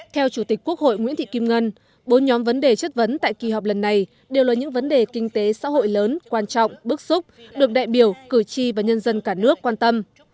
theo chủ tịch quốc hội nguyễn thị kim ngân bốn nhóm vấn đề chất vấn tại kỳ họp lần này đều là những vấn đề kinh tế xã hội lớn quan trọng bức xúc được đại biểu cử tri và nhân dân cả nước quan tâm